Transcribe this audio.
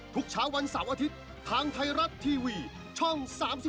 ทุกเช้าวันเสาร์อาทิตย์ทางไทยรัฐทีวีช่อง๓๒